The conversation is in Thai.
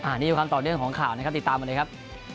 อันนี้คือความต่อเนื่องของข่าวนะครับติดตามมาเลยครับ